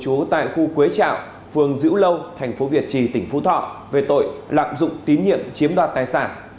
chú tại khu quế trạm phường dữ lâu thành phố việt trì tỉnh phú thọ về tội lạm dụng tín nhiệm chiếm đoạt tài sản